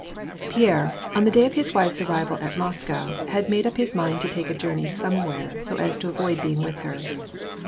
PiERBE, on the day of his wife's arrival at Moscow, had made up his mind to take a journey somewhere, so as to avoid being with her.